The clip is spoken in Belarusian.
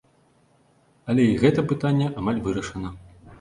Але і гэта пытанне амаль вырашана.